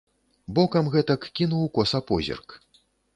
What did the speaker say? Бокам гэтак кінуў коса позірк.